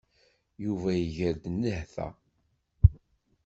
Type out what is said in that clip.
Yuba iger-d nnehta.